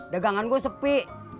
dagangan gua sepi